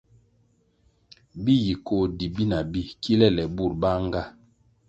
Bi yi koh di bina bi kilè lè burʼ banʼnga.